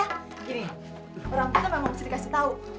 gini orang tua memang mesti dikasih tau